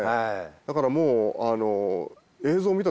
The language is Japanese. だからもう。